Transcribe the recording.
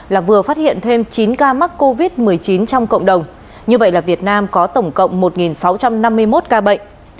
là vừa phát hiện thêm chín ca mắc covid một mươi chín trong cộng đồng như vậy là việt nam có tổng cộng một sáu trăm năm mươi một ca bệnh